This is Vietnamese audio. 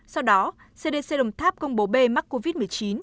sau đó cdc đồng tháp công bố b mắc covid một mươi chín